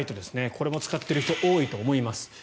これも使っている人は多いと思います。